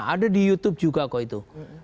ada di youtube juga kok itu